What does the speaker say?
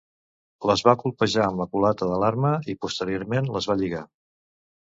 Les va colpejar amb la culata de l'arma i posteriorment les va lligar.